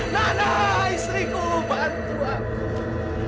nana istriku bantu aku